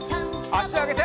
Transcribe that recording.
あしあげて。